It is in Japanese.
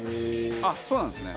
あっそうなんですね。